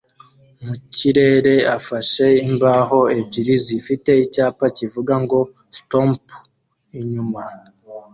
mu kirere afashe imbaho ebyiri zifite icyapa kivuga ngo "stomp" inyuma